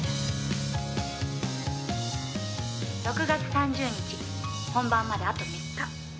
「６月３０日本番まであと３日」